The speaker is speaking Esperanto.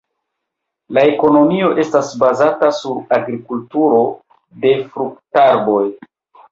La ekonomio estas bazata sur agrikulturo de fruktarboj.